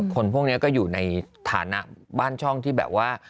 คนพวกนี้ก็อยู่ในฐานะบ้านช่องที่แบบว่า